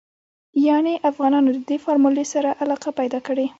يانې افغانانو ددې فارمولې سره علاقه پيدا کړې.